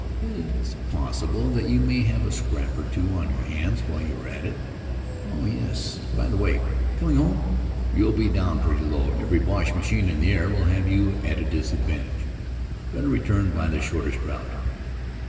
It's possible that you may have a scrap or two on your hands while you are at it. Oh, yes, by the way, coming home, you'll be down pretty low. Every Boche machine in the air will have you at a disadvantage. Better return by the shortest route."